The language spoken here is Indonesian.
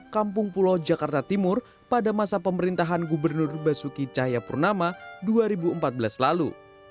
kampung pulau jakarta timur pada masa pemerintahan gubernur basuki cahayapurnama dua ribu empat belas lalu